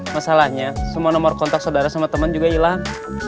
masalahnya semua nomor kontak saudara sama teman juga hilang